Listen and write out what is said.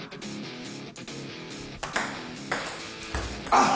あっ！